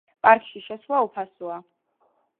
პარკში შესვლა უფასოა.